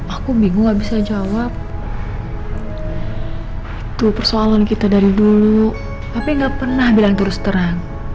aku bingung gak bisa jawab itu persoalan kita dari dulu tapi gak pernah bilang terus terang